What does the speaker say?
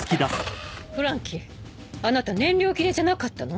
フランキーあなた燃料切れじゃなかったの？